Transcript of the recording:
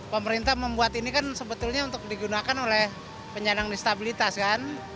pemerintah membuat ini kan sebetulnya untuk digunakan oleh penyandang disabilitas kan